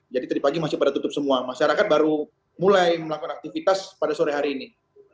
jadi dari pagi masih pada tutup semua masyarakat baru mulai melakukan aktivitas pada sore hari ini